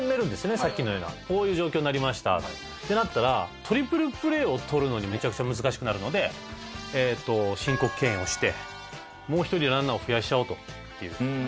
さっきのようなこういう状況になりましたってなったらトリプルプレーを取るのにめちゃくちゃ難しくなるので申告敬遠をしてもう一人ランナーを増やしちゃおうという。